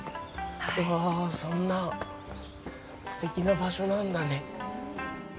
うわあ、そんなすてきな場所なんだね。